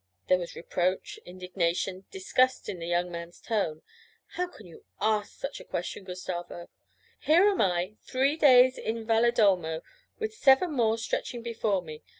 There was reproach, indignation, disgust in the young man's tone. 'How can you ask such a question, Gustavo? Here am I, three days in Valedolmo, with seven more stretching before me.